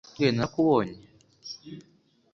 nkuvuge narakubonye